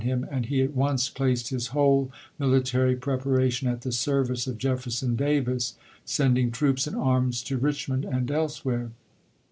him, and he at once placed his whole military prep EUisto aration at the service of Jefferson Davis, sending Api.24,1861. troops and arms to Richmond and elsewhere.